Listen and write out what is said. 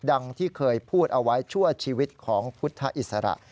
ดังที่เคยพูดเอาไว้ชั่วชีวิตของพุทธอิสระ